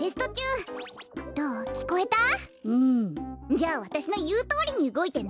じゃあわたしのいうとおりにうごいてね。